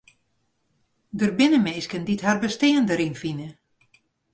Der binne minsken dy't har bestean deryn fine.